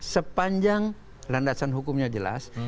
sepanjang landasan hukumnya jelas